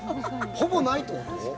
ほぼないってことですか？